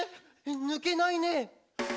ぬけないねえ！！」